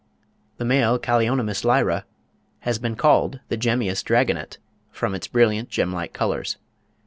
The male Callionymus lyra has been called the gemmeous dragonet "from its brilliant gem like colours."